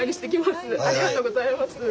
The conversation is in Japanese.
ありがとうございます。